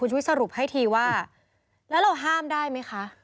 ชีวิตสรุปให้ทีว่าแล้วเราห้ามได้ไหมคะ